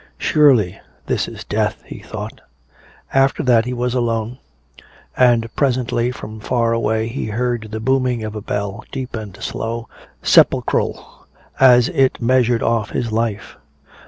"Surely this is death," he thought. After that he was alone. And presently from far away he heard the booming of a bell, deep and slow, sepulchral, as it measured off his life.